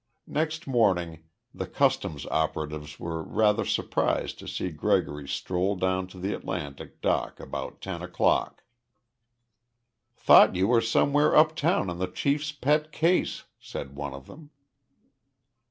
Next morning the Customs operatives were rather surprised to see Gregory stroll down to the Atlantic dock about ten o'clock. "Thought you were somewhere uptown on the chief's pet case," said one of them.